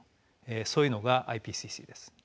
そういうのがＩＰＣＣです。